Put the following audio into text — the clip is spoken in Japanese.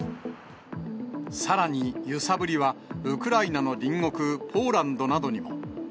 さらに、揺さぶりはウクライナの隣国、ポーランドなどにも。